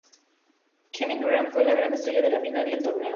Kevin Durant fue la gran estrella de la final y el torneo.